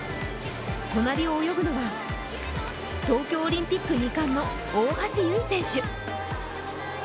隣を泳ぐのは東京オリンピック２冠の大橋悠依選手。